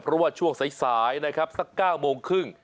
เพราะว่าช่วงสายนะครับสัก๙๓๐น